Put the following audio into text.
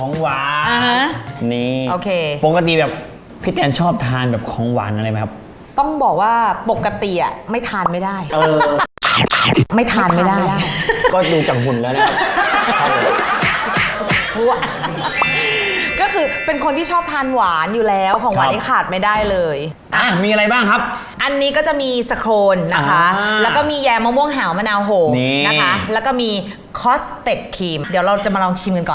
ก็คือปกติแบบพี่แตนชอบทานแบบของหวานอะไรไหมครับต้องบอกว่าปกติอ่ะไม่ทานไม่ได้เออไม่ทานไม่ได้อ่ะก็ดูจากหุ่นแล้วนะครับก็คือเป็นคนที่ชอบทานหวานอยู่แล้วของหวานนี้ขาดไม่ได้เลยอ่ะมีอะไรบ้างครับอันนี้ก็จะมีสโครนนะคะแล้วก็มียามะม่วงหาวมะนาวโหนะคะแล้วก็มีคอสเต็ปครีมเดี๋ยวเราจะมาลองชิมกันก่อน